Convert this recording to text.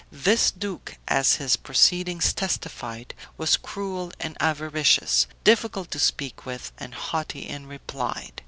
This duke, as his proceedings testified, was cruel and avaricious, difficult to speak with, and haughty in reply.